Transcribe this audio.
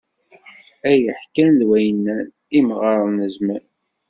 Ay ḥkan d way nnan, imɣaṛen n zzman!